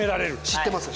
知ってますよ